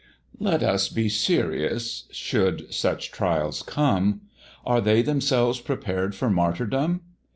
Let us be serious Should such trials come. Are they themselves prepared for martyrdom?